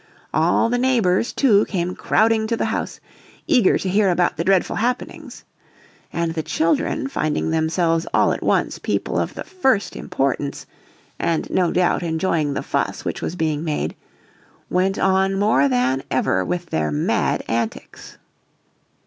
All the neighbours, too, came crowding to the house, eager to hear about the dreadful happenings. And the children, finding themselves all at once people of the first importance, and no doubt enjoying the fuss which was being made, went on more than ever with their mad antics.